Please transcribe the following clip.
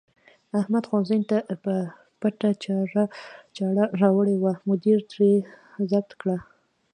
احمد ښوونځي ته په پټه چاړه راوړې وه، مدیر ترې ضبط کړه.